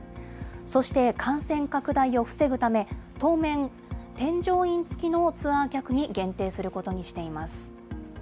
そして感染拡大を防ぐため、当面、添乗員付きのツアー客に限定することにしています。